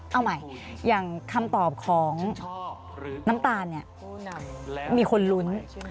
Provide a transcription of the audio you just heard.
เอาใหม่อย่างคำตอบของน้ำตาลเนี่ยมีคนลุ้น